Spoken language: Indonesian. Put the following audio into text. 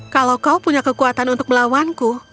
kalau kau punya kekuatan untuk melawanku